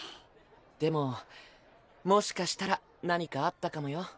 でももしかしたら何かあったかもよ。